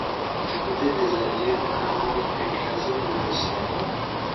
Du côté des alliés, aucun mort et une quinzaine de blessés.